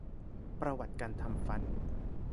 ประวัติการทำฟัน